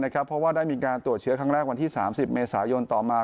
เพราะว่าได้มีการตรวจเชื้อครั้งแรกวันที่๓๐เมษายนต่อมา